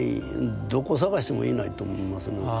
どこ探してもいないと思いますね。